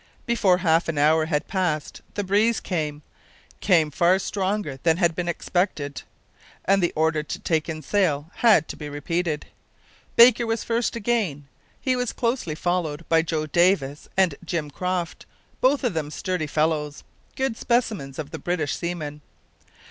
Before half an hour had passed the breeze came came far stronger than had been expected and the order to take in sail had to be repeated. Baker was first again. He was closely followed by Joe Davis and Jim Croft, both of them sturdy fellows good specimens of the British seaman.